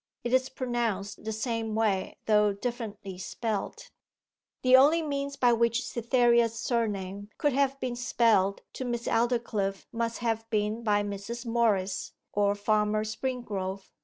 It is pronounced the same way, though differently spelt.' The only means by which Cytherea's surname could have been spelt to Miss Aldclyffe must have been by Mrs. Morris or Farmer Springrove.